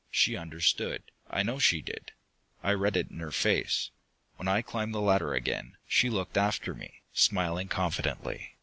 She understood, I know she did. I read it in her face. When I climbed the ladder again, she looked after me, smiling confidently.